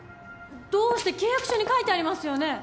どうして契約書に書いてありますよね